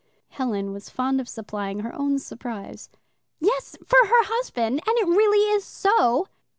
(Helen was fond of supplying her own surprise.) "Yes, for her husband, and it really is so."